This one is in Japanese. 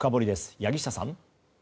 柳下さん。